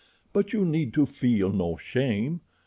But you need feel no shame.